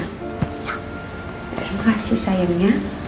terima kasih sayangnya